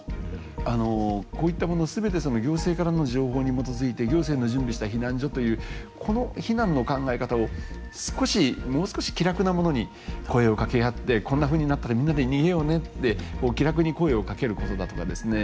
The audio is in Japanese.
あのこういったもの全て行政からの情報に基づいて行政の準備した避難所というこの避難の考え方を少しもう少し気楽なものに声をかけ合ってこんなふうになったらみんなで逃げようねって気楽に声をかけることだとかですね